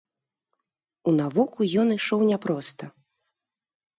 У навуку ён ішоў няпроста.